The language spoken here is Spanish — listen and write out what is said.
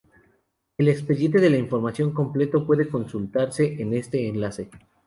El expediente de Información Pública completo puede consultarse en este enlace.